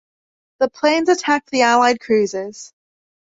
The planes attacked the Allied cruisers.